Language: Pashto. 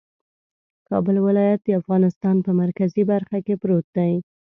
کابل ولایت د افغانستان په مرکزي برخه کې پروت دی